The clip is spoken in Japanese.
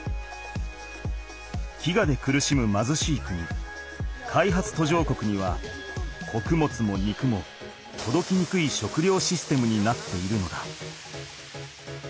飢餓で苦しむまずしい国開発途上国にはこくもつも肉もとどきにくい食料システムになっているのだ。